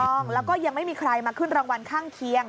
ถูกต้องแล้วก็ยังไม่มีใครมาขึ้นรางวัลข้างเคียง